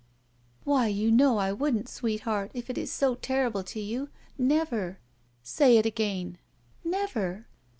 "Why, you know I wouldn't, sweetheart, if it is so terrible to you. Never. '' "Say it again." "Never."